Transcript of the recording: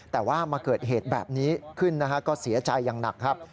แต่ว่ามาเกิดเหตุแบบนี้ขึ้นนะฮะก็เสียใจอย่างหนักครับ